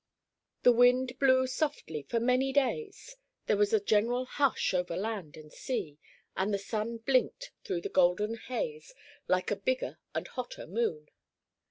The wind blew softly for many days; there was a general hush over land and sea, and the sun blinked through the golden haze like a bigger and hotter moon.